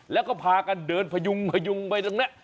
แล้วก็พากันเดินพยุงพยุงไปตรงนี้